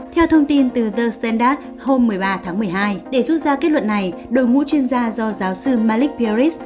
theo thông tin từ the standard hôm một mươi ba tháng một mươi hai để rút ra kết luận này đội ngũ chuyên gia do giáo sư malik peris